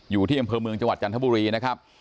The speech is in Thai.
อยู่ที่อำเภอเมืองจังหวัดจันทบุรีนะครับ